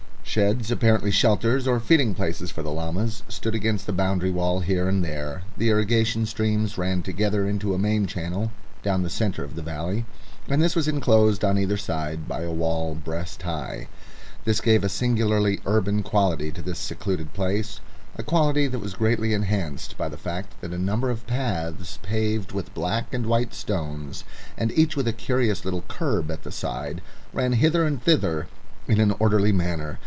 Sheds, apparently shelters or feeding places for the llamas, stood against the boundary wall here and there. The irrigation streams ran together into a main channel down the centre of the valley, and this was enclosed on either side by a wall breast high. This gave a singularly urban quality to this secluded place, a quality that was greatly enhanced by the fact that a number of paths paved with black and white stones, and each with a curious little kerb at the side, ran hither and thither in an orderly manner.